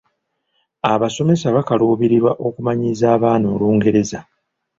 Abasomesa bakaluubirirwa okumanyiiza abaana Olungereza.